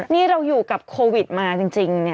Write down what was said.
นี่เราอยู่กับโควิดมาจริง